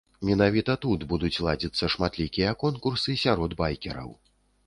Менавіта тут будуць ладзіцца шматлікія конкурсы сярод байкераў.